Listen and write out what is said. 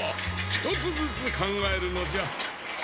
ひとつずつかんがえるのじゃ。